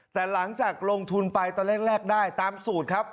แต่หลังจากลงทุนไปตอนแรกได้ตามสูตรครับ